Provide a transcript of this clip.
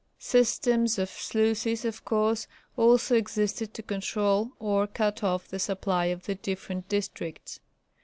Systems of sluices of course also existed to control or cut off the supply of the different districts.